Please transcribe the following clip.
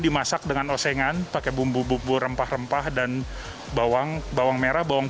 dimasak dengan osengan pakai bumbu bumbu rempah rempah dan bawang bawang merah bawang